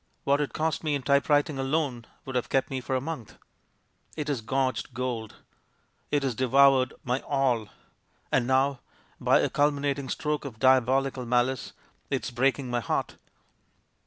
What it cost me in typewriting alone would have kept me for a month. It has gorged gold. It has de voured my All. And now, by a culminating stroke of diabolical malice, it's breaking my heart."